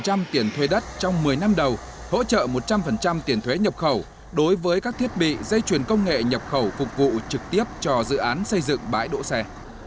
một trăm linh tiền thuê đất trong một mươi năm đầu hỗ trợ một trăm linh tiền thuế nhập khẩu đối với các thiết bị dây chuyển công nghệ nhập khẩu phục vụ trực tiếp cho dự án xây dựng bãi đỗ xe